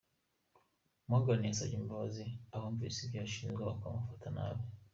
Morgan yasabye imbabazi abumvise ibyo ashinjwa bakamufata nabi.